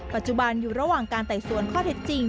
ปัจจุบันอยู่ระหว่างการไต่สวนข้อเท็จจริง